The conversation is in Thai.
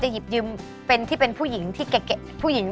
จะเป็นผู้หญิงที่ไกลผู้หญิง